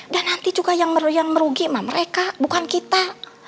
dan nanti juga yang merugi mah mereka bukan kita